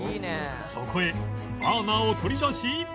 そこへバーナーを取り出し